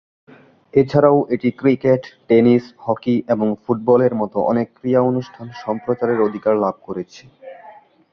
এছাড়াও এটি cricket, tennis, hockey এবং ফুটবল এর মত অনেক ক্রীড়া অনুষ্ঠান সম্প্রচারের অধিকার লাভ করেছে।